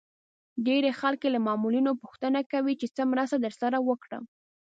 ډېری خلک له معلولينو پوښتنه کوي چې څه مرسته درسره وکړم.